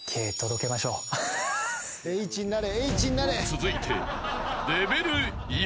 ［続いて］